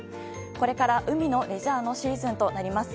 これから、海のレジャーのシーズンとなります。